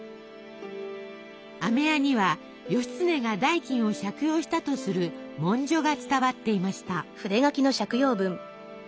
あめ屋には義経が代金を借用したとする文書が伝わっていました。